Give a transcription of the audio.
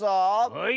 はい。